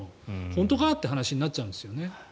本当かって話になっちゃうんですよね。